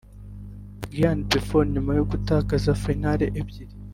Gianluigi Buffon nyuma yo gutakaza final ebyri